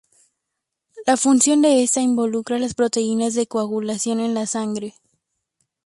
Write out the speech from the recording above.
La función de esta involucra las proteínas de coagulación en la sangre.